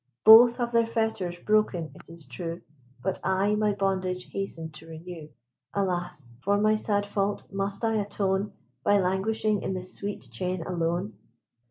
Both have their fetters broken, it is true, But I my bondage hasten to renew. Alas! for my sad fault must I atone, By languishing in this sweet chain alone?